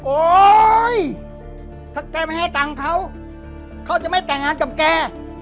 โอ๊ยถ้าแกไม่ให้ตังค์เขาเขาจะไม่แต่งงานกับแก